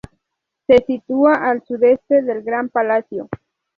Se sitúa al sudeste del Gran Palacio.